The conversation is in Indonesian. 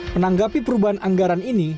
menanggapi perubahan anggaran ini